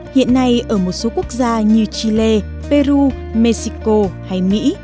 hiện nay ở một số quốc gia như chile peru mexico hay mỹ